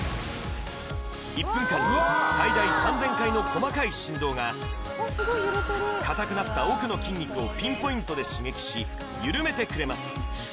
１分間に最大３０００回の細かい振動がかたくなった奥の筋肉をピンポイントで刺激しゆるめてくれます